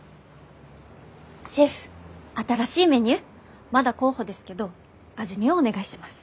シェフ新しいメニューまだ候補ですけど味見をお願いします。